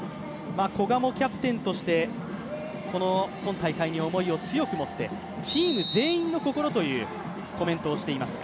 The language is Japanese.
古賀もキャプテンとして今大会に思いを強く持ってチーム全員の心というコメントをしています。